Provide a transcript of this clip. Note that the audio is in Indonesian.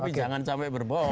tapi jangan sampai berbohong